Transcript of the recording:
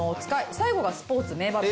最後がスポーツ名場面。